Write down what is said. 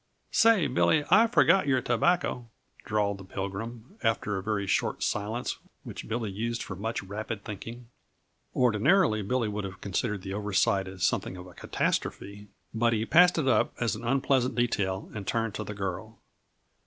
"Say, Billy, I forgot your tobacco," drawled the Pilgrim, after a very short silence which Billy used for much rapid thinking. Ordinarily, Billy would have considered the over sight as something of a catastrophe, but he passed it up as an unpleasant detail and turned to the girl.